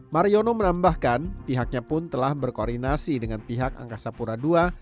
mariono menambahkan pihaknya pun telah berkoordinasi dengan pihak angkasa pura ii